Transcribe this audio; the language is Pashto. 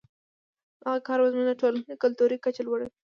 دغه کار به زموږ د ټولنې کلتوري کچه لوړه کړي.